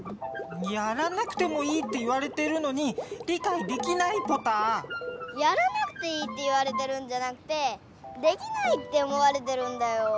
やらなくてもいいって言われてるのに理かいできないポタ。やらなくていいって言われてるんじゃなくてできないって思われてるんだよ。